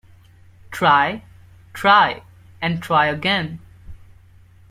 Try, try, and try again.